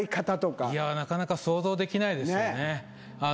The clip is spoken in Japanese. いやなかなか想像できないですよね。